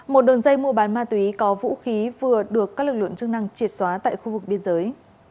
một đường dây mua bán ma túy có vũ khí vừa được các lực lượng chức năng triệt xóa tại khu vực biên giới